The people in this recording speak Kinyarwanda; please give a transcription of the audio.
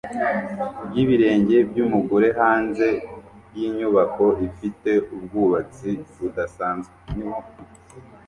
y ibirenge byumugore hanze yinyubako ifite ubwubatsi budasanzwe